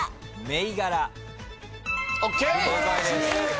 正解です。